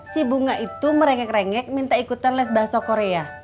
si bunga itu merengek rengek minta ikutan les bahasa korea